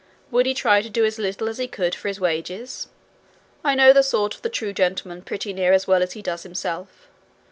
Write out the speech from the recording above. Would he try to do as little as he could for his wages? I know the sort of the true gentleman pretty near as well as he does himself.